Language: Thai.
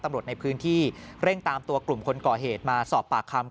ตำรวจในพื้นที่เร่งตามตัวกลุ่มคนก่อเหตุมาสอบปากคำ